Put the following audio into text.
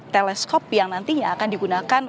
teleskop yang nantinya akan digunakan